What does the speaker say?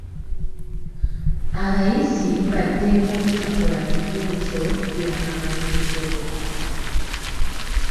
Abayizi ba ddembe obutakola bibuuzo by'akamalirizo.